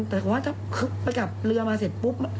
แต่ว่าถ้าไปจับเรือมาเสร็จปุ๊บ